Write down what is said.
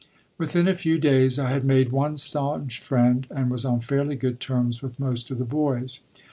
Within a few days I had made one staunch friend and was on fairly good terms with most of the boys.